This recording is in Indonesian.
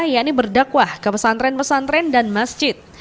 yakni berdakwah ke pesantren pesantren dan masjid